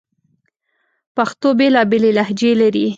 پښتو بیلابیلي لهجې لري